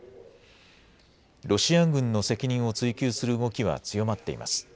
ロシア軍の責任を追及する動きは強まっています。